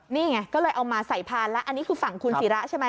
นี่ไงก็เลยเอามาใส่พานแล้วอันนี้คือฝั่งคุณศิระใช่ไหม